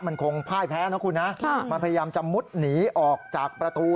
มันคงพ่ายแพ้นะคุณนะมันพยายามจะมุดหนีออกจากประตู